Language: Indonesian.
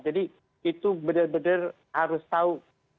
jadi itu benar benar harus tahu